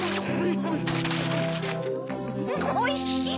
おいしい！